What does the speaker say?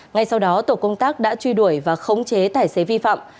ngay sau đó tổ công tác đã truy đuổi và khống chế tài xế vi phạm